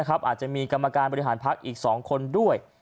อาจจะมีกรรมการบริหารพักอีก๒คนด้วย